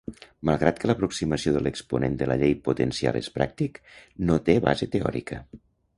Malgrat que l'aproximació de l'exponent de la llei potencial és pràctic, no té base teòrica.